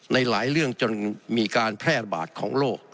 ในหลายเรื่องจนมีการแพร่ระบาดของโรค